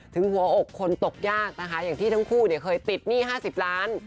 ถึงหัวอกคนตกยากนะคะอย่างที่ทั้งคู่เนี่ยเคยติดหนี้๕๐ล้าน